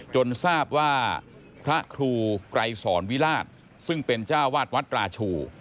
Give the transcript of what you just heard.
ทราบว่าพระครูไกรสอนวิราชซึ่งเป็นเจ้าวาดวัดราชู